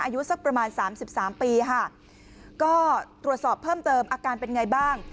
อายุสักประมาณสามสิบสามปีค่ะก็ตรวจสอบเพิ่มเติมอาการเป็นไงบ้าง